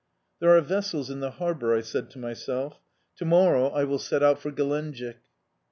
"There are vessels in the harbour," I said to myself. "To morrow I will set out for Gelenjik."